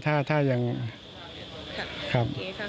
ถ้ายังครับ